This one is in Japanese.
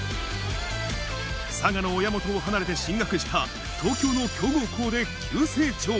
佐賀の親元を離れて進学した東京の強豪校で急成長。